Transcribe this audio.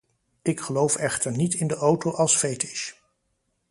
Ik geloof echter niet in de auto als fetisj.